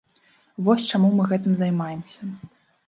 Вось чаму мы гэтым займаемся.